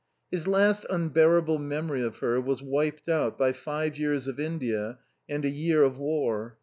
His last unbearable memory of her was wiped out by five years of India and a year of war.